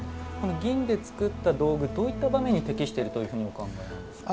銀で作った道具どういった場面に適しているというふうにお考えなんですか？